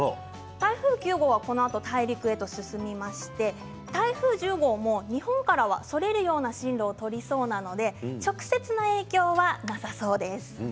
台風９号はこのあと大陸へと進みまして台風１０号も日本からは、それるような進路を取りそうなので直接の影響はなさそうです。